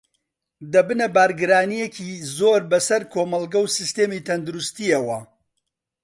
دەبنە بارگرانییەکی زۆر بەسەر کۆمەڵگە و سیستمی تەندروستییەوە